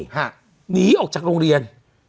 หนีออกจากโรงเรียน